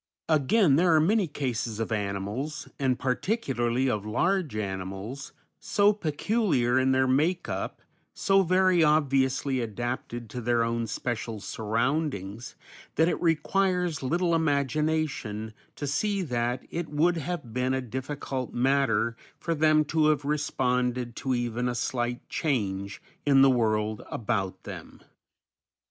Again, there are many cases of animals, and particularly of large animals, so peculiar in their make up, so very obviously adapted to their own special surroundings that it requires little imagination to see that it would have been a difficult matter for them to have responded to even a slight change in the world about them.